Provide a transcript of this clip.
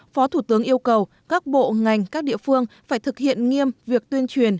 phó thủ tướng yêu cầu các bộ ngành các địa phương phải thực hiện nghiêm việc tuyên truyền